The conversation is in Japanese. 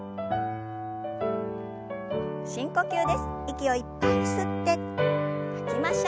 深呼吸です。